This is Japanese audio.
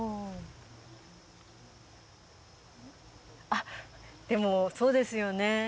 あっでもそうですよね。